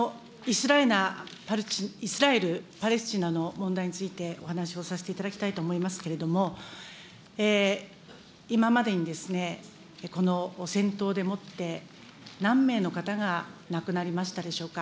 イスラエル・パレスチナの問題についてお話をさせていただきたいと思いますけれども、今までにですね、この戦闘でもって、何名の方が亡くなりましたでしょうか。